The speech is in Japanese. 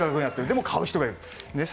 でも買う人がいる。